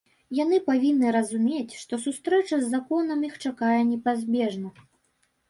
Яны павінны разумець, што сустрэча з законам іх чакае непазбежна.